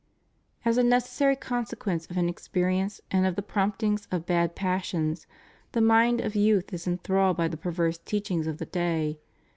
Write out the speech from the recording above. As a necessary consequence of in experience, and of the promptings of bad passions, the mind of youth is enthralled by the perverse teachings of the day.